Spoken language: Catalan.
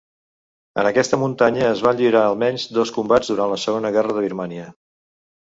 En aquesta muntanya es van lliurar almenys dos combats durant la segona guerra de Birmània.